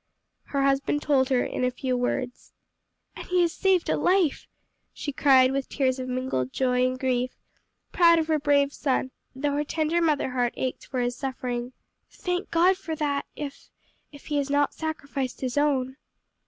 Her husband told her in a few words. "And he has saved a life!" she cried with tears of mingled joy and grief, proud of her brave son, though her tender mother heart ached for his suffering. "Thank God for that, if if he has not sacrificed his own."